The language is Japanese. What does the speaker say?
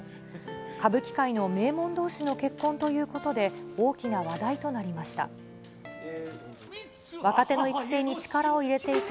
歌舞伎界の名門どうしの結婚ということで、大きな話題となりました。